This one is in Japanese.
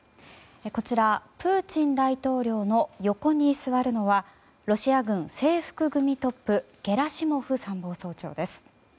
こちら、プーチン大統領の横に座るのはロシア軍制服組トップゲラシモフ参謀総長です。